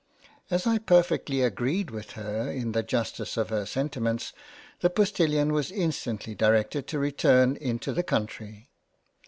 As I perfectly agreed with her in the Justice of her Sentiments the Postilion was instantly directed to return into the Country.